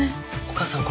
お母さん